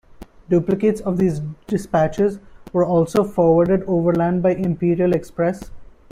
Duplicates of these dispatches were also forwarded overland by the imperial express.